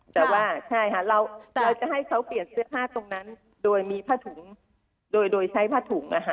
แต่ว่าใช่ค่ะเราจะให้เขาเปลี่ยนเสื้อผ้าตรงนั้นโดยมีผ้าถุงโดยใช้ผ้าถุง